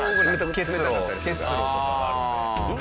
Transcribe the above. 結露結露とかがあるので。